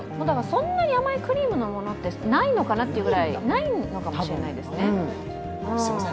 そんなに甘いクリームのものってないのかなっていうぐらいないのかもしれないですね。